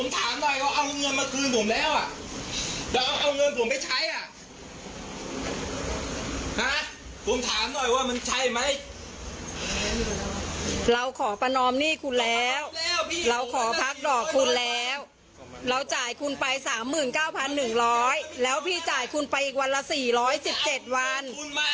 พี่จ่ายคุณปร่อยสามหมื่นเก้าพันหนึ่งร้อยแล้วพี่จ่ายคุณไปอีกวันอาศีรอยสิบเจ็ดวัน